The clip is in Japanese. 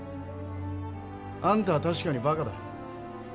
あんたは確かにバカだ。